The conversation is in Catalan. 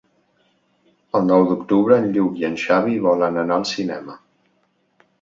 El nou d'octubre en Lluc i en Xavi volen anar al cinema.